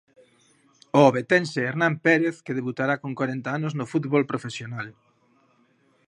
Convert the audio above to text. O ovetense Hernán Pérez que debutará con corenta anos no fútbol profesional.